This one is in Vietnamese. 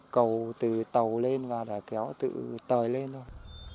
cầu từ tàu lên và kéo từ tờ lên thôi